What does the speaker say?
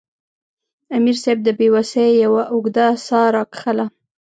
امیر صېب د بې وسۍ یوه اوږده ساه راښکله